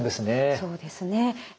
そうですね。